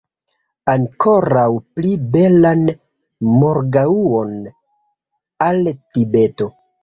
Ankoraŭ pli belan morgaŭon al Tibeto!